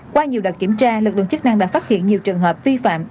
qua nhiều đợt kiểm tra lực lượng chức năng đã phát hiện nhiều trường hợp vi phạm